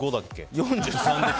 ４３です。